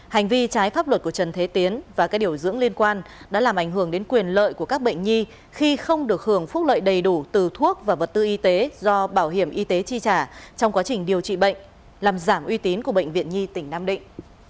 hành vi trái pháp luật của trần thế tiến và các điều dưỡng liên quan đã làm ảnh hưởng đến quyền lợi của các bệnh nhi khi không được hưởng phúc lợi đầy đủ từ thuốc và vật tư y tế do bảo hiểm y tế chi trả trong quá trình điều trị bệnh làm giảm uy tín của bệnh viện nhi tỉnh nam định